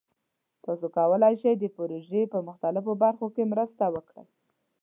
تاسو کولی شئ د پروژې په مختلفو برخو کې مرسته وکړئ.